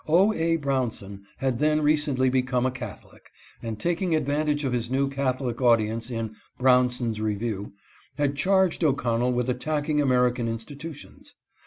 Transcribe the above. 0. A. Brownson had then recently become a Catholic, and taking advantage of his new Catholic audi ence in " Brownson's Review" had charged O'Connell with attacking American institutions.